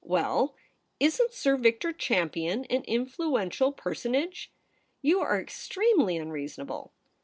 Well, isn't Sir Victor Champion an influential personage ? You are extremely unreasonable.